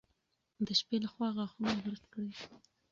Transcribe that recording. د شپې لخوا غاښونه برس کړئ.